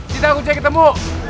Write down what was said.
sinta aku cek ketemu